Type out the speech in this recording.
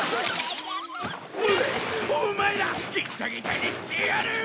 オマエらギッタギタにしてやる！